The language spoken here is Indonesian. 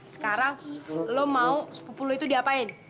sekarang lo mau sepupu lo itu diapain